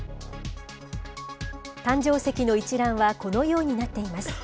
誕生石の一覧はこのようになっています。